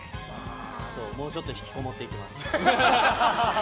もうちょっと引きこもっていきます。